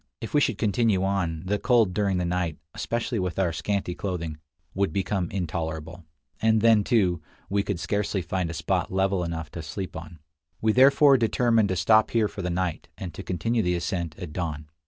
If we should continue on, the cold during the night, especially with our scanty clothing, would become intolerable; and then, too, II 63 we could scarcely find a spot level enough to sleep on. We therefore determined to stop here for the night, and to continue the ascent at dawn.